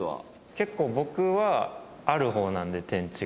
結構僕はある方なので天地が。